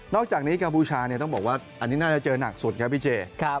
อกจากนี้กัมพูชาต้องบอกว่าอันนี้น่าจะเจอหนักสุดครับพี่เจ